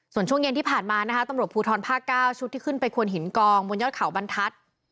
ส่วนช่วงเย็นที่ผ่านมานะคะตำรวจภูทรภาค๙ชุดที่ขึ้นไปควนหินกองบนยอดเขาบรรทัศน์